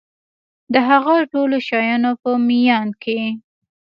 د هغه ټولو شیانو په میان کي